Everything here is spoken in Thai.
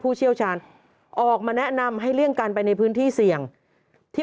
เชี่ยวชาญออกมาแนะนำให้เลี่ยงการไปในพื้นที่เสี่ยงที่